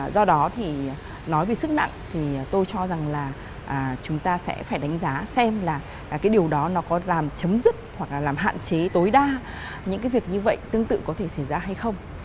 do đó thì nói về sức nặng thì tôi cho rằng là chúng ta sẽ phải đánh giá xem là cái điều đó nó có làm chấm dứt hoặc là làm hạn chế tối đa những cái việc như vậy tương tự có thể xảy ra hay không